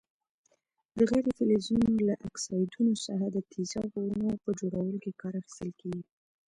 د غیر فلزونو له اکسایډونو څخه د تیزابونو په جوړولو کې کار اخیستل کیږي.